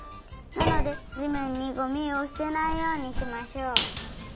なのでじめんにゴミをすてないようにしましょう。